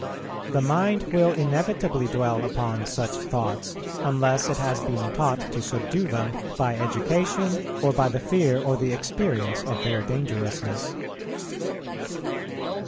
The mind will inevitably dwell upon such thoughts, unless it has been taught to subdue them by education or by the fear or the experience of their dangerousness.